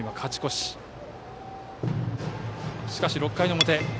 しかし６回の表。